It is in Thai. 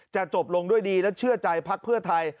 จะจบลงด้วยดีและเชื่อใจพักเพื่อไทย